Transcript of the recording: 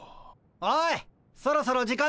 おいそろそろ時間だぞ。